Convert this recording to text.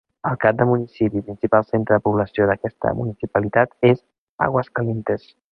El cap de municipi i principal centre de població d'aquesta municipalitat és Aguascalientes.